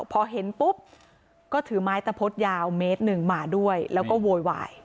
พอเห็นปุ๊บก็ถือไม้ตะพดยาวเมตรหนึ่งมาด้วยแล้วก็โวยวาย